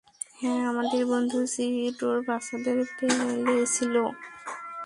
হ্যাঁ, আমাদের বন্ধু সিড ওর বাচ্চাদের পেলেছিল।